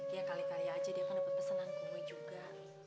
iya kali kali aja dia kan dapet pesenan kumui juga